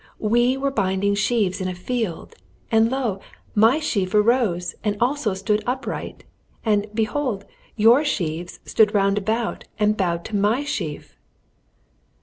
"We were binding sheaves in a field, and lo! my sheaf arose and also stood upright, and, behold, your sheaves stood round about and bowed to my sheaf!"